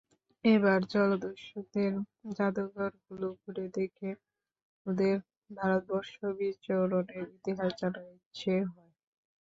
এবার জলদস্যুদের জাদুঘরগুলো ঘুরে দেখে ওদের ভারতবর্ষ বিচরণের ইতিহাস জানার ইচ্ছে হয়।